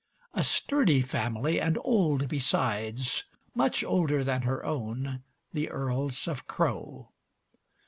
XX A sturdy family, and old besides, Much older than her own, the Earls of Crowe.